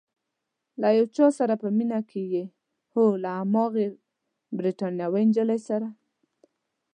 له یو چا سره په مینه کې یې؟ هو، له هماغې بریتانوۍ نجلۍ سره؟